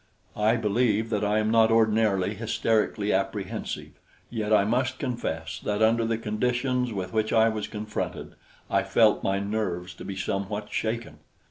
I believe that I am not ordinarily hysterically apprehensive; yet I must confess that under the conditions with which I was confronted, I felt my nerves to be somewhat shaken.